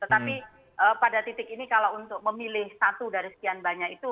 tetapi pada titik ini kalau untuk memilih satu dari sekian banyak itu